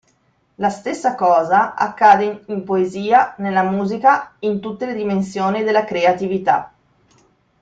La stessa cosa accade in poesia, nella musica, in tutte le dimensioni della creatività".